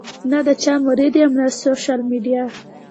نۀ د چا مريد يم او نۀ سوشل ميډيا